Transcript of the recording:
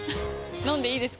飲んでいいですか？